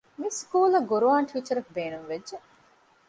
މިސުކޫލަށް ޤުރުޢާން ޓީޗަރަކު ބޭނުންވެއްޖެ